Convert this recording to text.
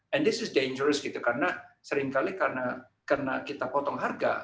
dan ini sangat berbahaya karena seringkali karena kita potong harga